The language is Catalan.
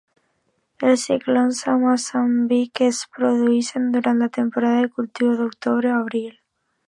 Els ciclons a Moçambic es produeixen durant la temporada de cultiu, d'octubre a abril.